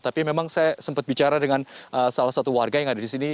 tapi memang saya sempat bicara dengan salah satu warga yang ada di sini